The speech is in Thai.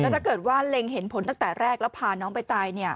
ถ้าเกิดว่าเล็งเห็นผลตั้งแต่แรกแล้วพาน้องไปตาย